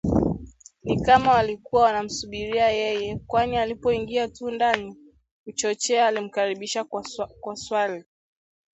Ni kama walikuwa wanamsubiri yeye, kwani alipoingia tu ndani, Kuchochea alimkaribisha kwa swali